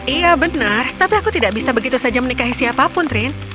iya benar tapi aku tidak bisa begitu saja menikahi siapapun trin